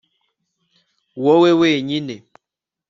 Wowe wenyine